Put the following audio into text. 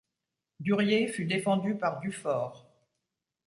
Durier fut défendu par Dufaure.